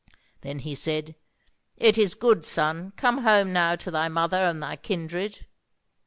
"Then he said: 'It is good, son: come home now to thy mother and thy kindred.'